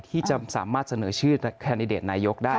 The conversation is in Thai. ที่จะสามารถเสนอชื่อแคนดิเดตนายกได้